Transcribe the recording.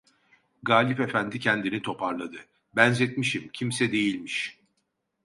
Galip efendi kendini toparladı: "Benzetmişim, kimse değilmiş!"